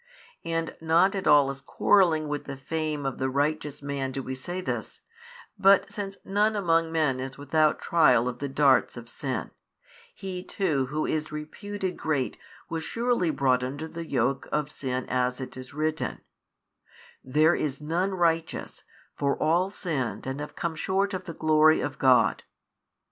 And |628 not at all as quarrelling with the fame of the righteous man do we say this, but since none among men is without trial of the darts of sin, he too who is reputed great was surely brought under the yoke of sin as it is written, There is none righteous, for all sinned and have come short of the glory of God.